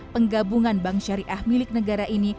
penggabungan bank syariah milik negara ini